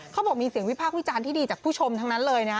เขาบอกมีเสียงวิพากษ์วิจารณ์ที่ดีจากผู้ชมทั้งนั้นเลยนะ